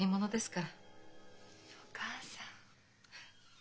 お母さん。